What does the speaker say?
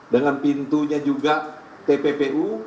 dengan pintunya juga tppu